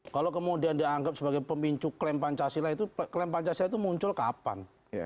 kalau kemudian dianggap sebagai pemicu klaim pancasila itu klaim pancasila itu muncul kapan